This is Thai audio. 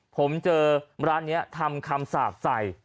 ผมเจอร้านนี้ทำคำสาปใส่